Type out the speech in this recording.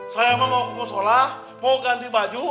saya mau ke musola mau ganti baju